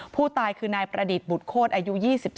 ผู้ตายคือนายประดิษฐ์บุตรโคตรอายุ๒๒